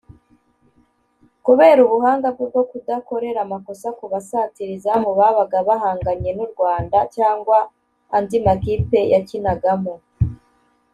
Kubera ubuhanga bwe bwo kudakorera amakosa ku basatira izamu babaga bahanganye n’u Rwanda cyangwa andi makipe yakinagamo